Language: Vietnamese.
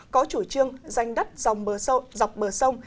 có chủ trương danh đất dọc bờ sông